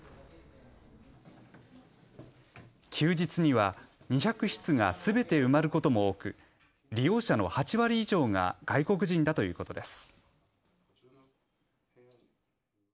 休日には２００室がすべて埋まることも多く利用者の８割以上が外国人だということです。